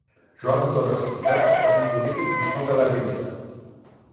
Joan Torres i Picart va ser un polític nascut a la Ribera.